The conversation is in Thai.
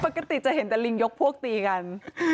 ปกติจะเห็นแต่ลิงยกพวกตีกัน